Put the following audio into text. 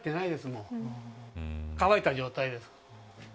もう、乾いた状態です。